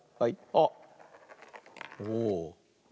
あっおお。